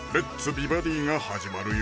美バディ」が始まるよ